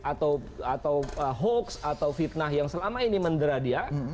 atau hoax atau fitnah yang selama ini mendera dia